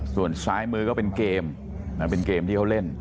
ส่วนซ้ายมือก็เป็นเกมเป็นเกมที่เขาเล่น